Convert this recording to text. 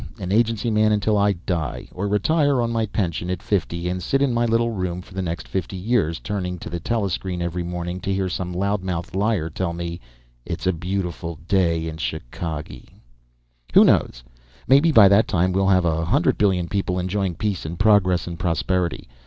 An agency man until I die. Or retire on my pension, at fifty, and sit in my little room for the next fifty years, turning on the telescreen every morning to hear some loudmouthed liar tell me it's a beautiful day in Chicagee. Who knows, maybe by that time we'll have a hundred billion people enjoying peace and progress and prosperity.